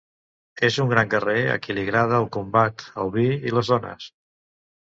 És un gran guerrer a qui li agrada el combat, el vi i les dones.